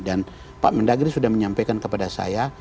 dan pak mendagri sudah menyampaikan kepada saya